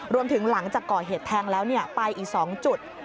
หลังจากก่อเหตุแทงแล้วไปอีก๒จุด